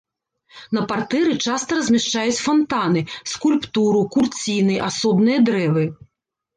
На партэры часта размяшчаюць фантаны, скульптуру, курціны, асобныя дрэвы.